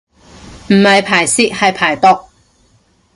唔係排泄係排毒